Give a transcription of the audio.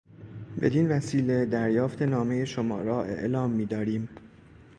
بدین وسیله دریافت نامهی شما را اعلام میداریم.